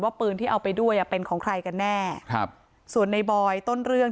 ปืนที่เอาไปด้วยอ่ะเป็นของใครกันแน่ครับส่วนในบอยต้นเรื่อง